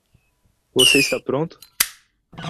Você está pronto?